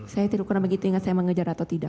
saya tidak pernah begitu ingat saya mengejar atau tidak